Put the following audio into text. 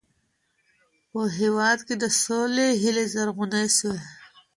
په هېواد کې د سولې هیلې زرغونې سوې.